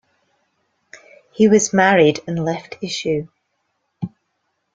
He was married and left issue.